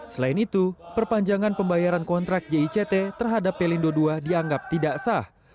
selain itu perpanjangan pembayaran kontrak jict terhadap pelindo ii dianggap tidak sah